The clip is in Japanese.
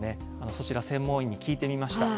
そちら、専門医に聞いてみました。